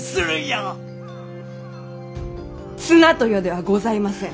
綱豊ではございません。